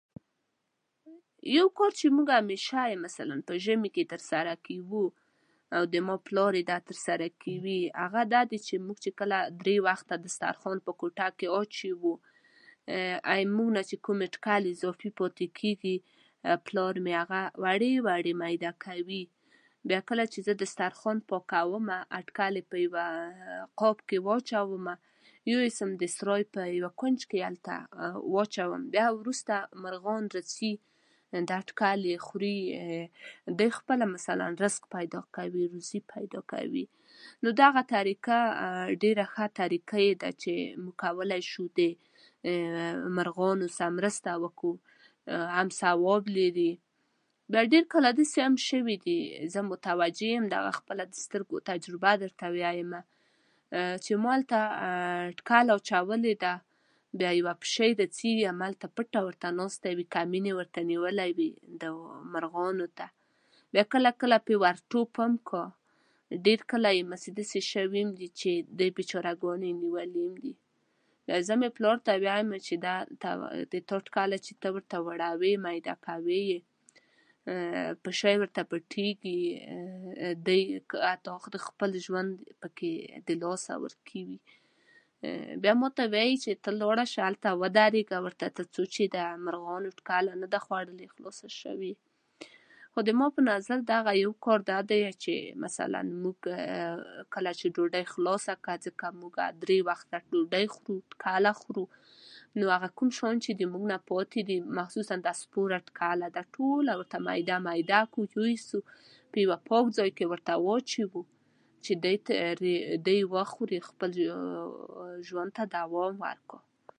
که غواړو زموږ هيواد د پرمختګ لوړو پوړيو ته ورسيږي ،نو بايد خپلو لوڼو او زامنو ته په هر ډول شرايطو کې د زده کړې او پوهې زمينه برابره کړو